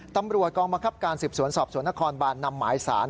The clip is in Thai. ตำรวจกองบังคับการสืบสวนสอบสวนนครบานนำหมายสาร